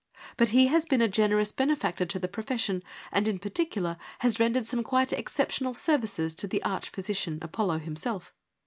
But he has been a generous benefactor to the profession, and in par ticular has rendered some quite exceptional services to the arch physician, Apollo himself.